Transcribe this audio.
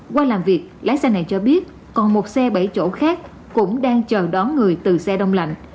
qua làm việc lái xe này cho biết còn một xe bảy chỗ khác cũng đang chờ đón người từ xe đông lạnh